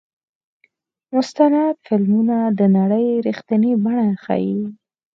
مستند فلمونه د نړۍ رښتینې بڼه ښيي.